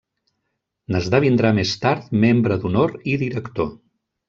N'esdevindrà més tard membre d'honor i director.